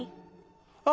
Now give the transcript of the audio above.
あ！